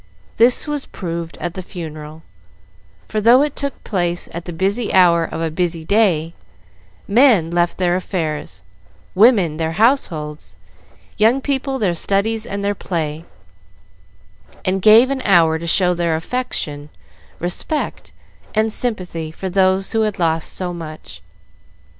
This was proved at the funeral, for, though it took place at the busy hour of a busy day, men left their affairs, women their households, young people their studies and their play, and gave an hour to show their affection, respect, and sympathy for those who had lost so much.